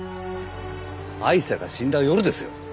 アイシャが死んだ夜ですよ。